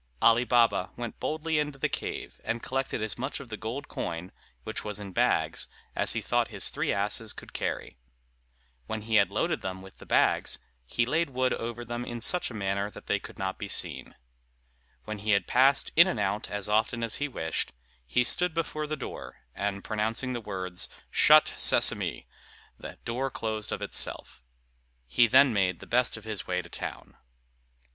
Ali Baba went boldly into the cave, and collected as much of the gold coin, which was in bags, as he thought his three asses could carry. When he had loaded them with the bags, he laid wood over them in such a manner that they could not be seen. When he had passed in and out as often as he wished, he stood before the door, and pronouncing the words, "Shut, Sesame!" the door closed of itself. He then made the best of his way to town.